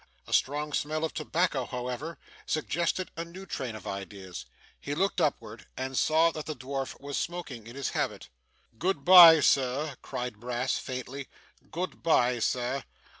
A strong smell of tobacco, however, suggested a new train of ideas, he looked upward, and saw that the dwarf was smoking in his hammock. 'Good bye, Sir,' cried Brass faintly. 'Good bye, Sir.